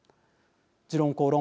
「時論公論」